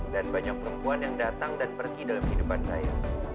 dan banyak perempuan yang datang dan pergi dalam kehidupan saya